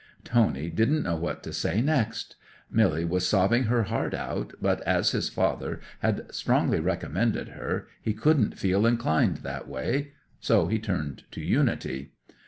'Tony didn't know what to say next. Milly was sobbing her heart out; but as his father had strongly recommended her he couldn't feel inclined that way. So he turned to Unity.